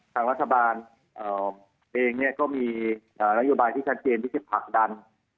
ทางรัฐบาลเองก็มีนโยบายที่ชัดเจนที่จะผลักดัน